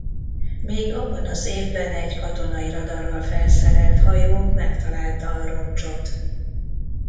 Még abban az évben egy katonai radarral felszerelt hajó megtalálta a roncsot.